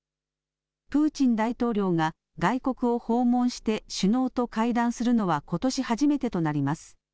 プーチン大統領が外国を訪問して首脳と会談するのはことし初めてとなります。